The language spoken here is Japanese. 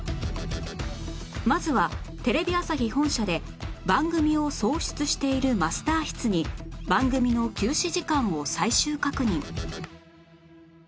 まずはテレビ朝日本社で番組を送出しているマスター室に番組の休止時間を最終確認